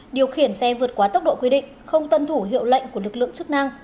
điều khiển xe vượt quá tốc độ quy định không tân thủ hiệu lệnh của lực lượng chức năng